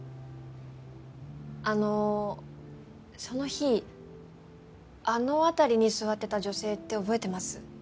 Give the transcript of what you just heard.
あのその日あのあたりに座ってた女性って覚えてます？